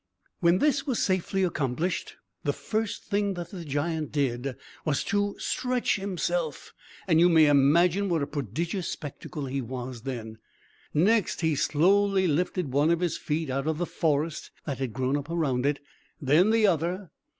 When this was safely accomplished, the first thing that the giant did was to stretch himself; and you may imagine what a prodigious spectacle he was then. Next, lie slowly lifted one of his feet out of the forest that had grown up around it; then, the other.